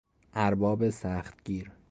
ارباب سختگیر